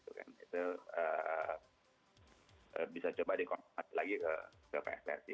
itu eee bisa coba dikonfirmasi lagi ke ke pssi